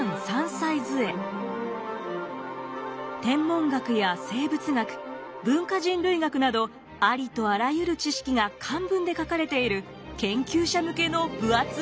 天文学や生物学文化人類学などありとあらゆる知識が漢文で書かれている研究者向けの分厚い百科事典。